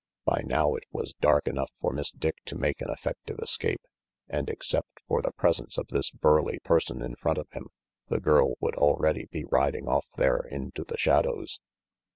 By now it was dark enough for Miss Dick to make an effective escape, and except for the presence of this burly person in front of him, the girl would already be riding off there into the shadows.